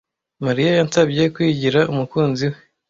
Mariya yansabye kwigira umukunzi we.